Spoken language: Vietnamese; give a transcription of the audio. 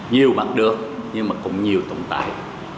không mất được nhưng mà còn nhiều tồn tại